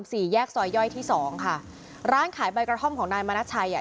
สี่แยกซอยย่อยที่สองค่ะร้านขายใบกระท่อมของนายมณชัยอ่ะ